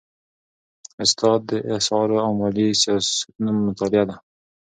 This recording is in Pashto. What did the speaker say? اقتصاد د اسعارو او مالي سیاستونو مطالعه ده.